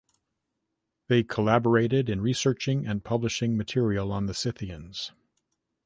They collaborated in researching and publishing material on the Scythians.